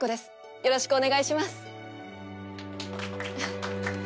よろしくお願いします。